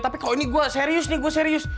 tapi kok ini gue serius nih gue serius